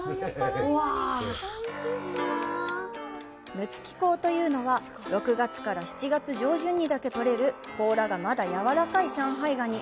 「六月黄」というのは、６月から７月上旬にだけとれる甲羅がまだ柔らかい上海蟹。